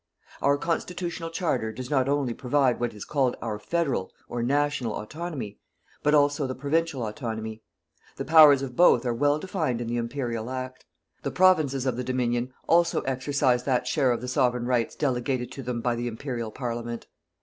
Our constitutional charter does not only provide what is called our Federal, or National autonomy, but also the Provincial autonomy. The powers of both are well defined in the Imperial Act. The Provinces of the Dominion also exercise that share of the Sovereign rights delegated to them by the Imperial Parliament.